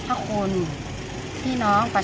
สวัสดีครับ